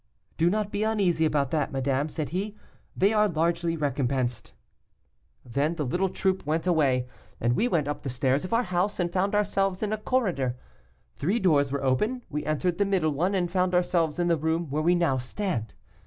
'Do not be uneasy about that, madame,' said he, 'they are largely recompensed.' "Then the little troop went away, and we went up the stairs of our house, and found ourselves in a corridor. Three doors were open; we entered the middle one, and found ourselves in the room where we now stand.